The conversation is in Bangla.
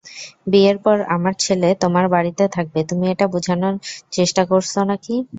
বিয়ের পর আমার ছেলে তোমার বাড়িতে থাকবে তুমি এটা বুঝানোর চেষ্টা করছো নাকি?